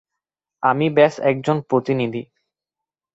আমি ব্যস একজন প্রতিনিধি।